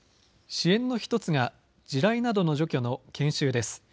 支援の１つが地雷などの除去の研修です。